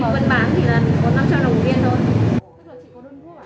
nhà em vẫn bán thì là có năm trăm linh đồng một viên thôi